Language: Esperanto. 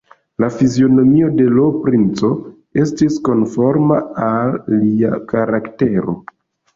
La fizionomio de l' princo estis konforma al lia karaktero.